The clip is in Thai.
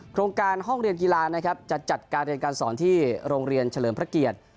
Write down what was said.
โครงการห้องเรียนกีฬานะครับจะจัดการเรียนการสอนที่โรงเรียนเฉลิมพระเกียรติ